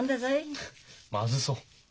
まずそう。